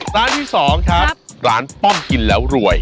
ร้านที่๒ครับร้านป้อมกินแล้วรวย